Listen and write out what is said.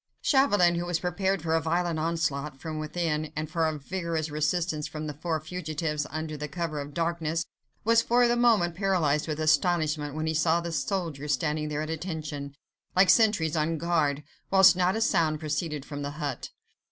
Chauvelin, who was prepared for a violent onslaught from within, and for a vigorous resistance from the four fugitives, under cover of the darkness, was for the moment paralyzed with astonishment when he saw the soldiers standing there at attention, like sentries on guard, whilst not a sound proceeded from the hut.